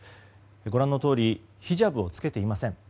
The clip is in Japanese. ご覧のとおりヒジャブを着けていません。